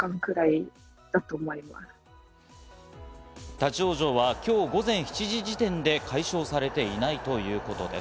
立ち往生は今日午前７時時点で解消されていないということです。